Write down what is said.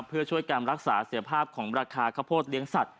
เพื่อช่วยการรักษาเสียภาพของราคาข้าวโพดเลี้ยงสัตว